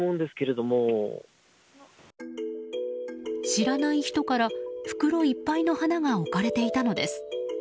知らない人から袋いっぱいの花が置かれていたのです。